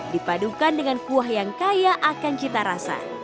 dipadukan dengan kuah yang kaya akan cita rasa